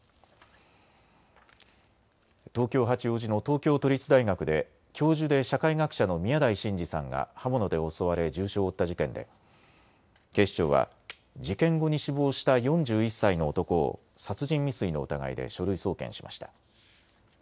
東京八王子の東京都立大学で教授で社会学者の宮台真司さんが刃物で襲われ重傷を負った事件で警視庁は事件後に死亡した４１歳の男を殺人未遂の疑いで書類送検しました。